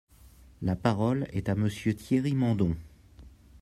La parole est à Monsieur Thierry Mandon.